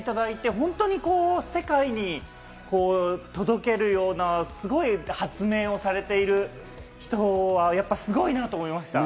本当に世界に届けるような、すごい発明をされている人はやっぱすごいなと思いました。